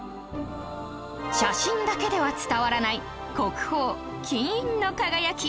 写真だけでは伝わらない国宝金印の輝き